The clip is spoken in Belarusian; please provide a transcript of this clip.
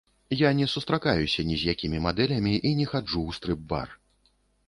Я не сустракаюся ні з якімі мадэлямі і не хаджу ў стрып-бар.